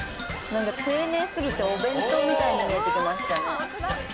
なんか丁寧すぎて、お弁当みたいに見えてきましたね。